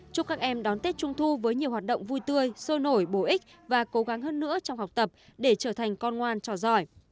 chúc các em đón tết trung thu với nhiều hoạt động vui tươi sôi nổi bổ ích và cố gắng hơn nữa trong học tập để trở thành con ngoan trò giỏi